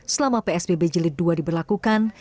selama psbb jelit dua diberlakukan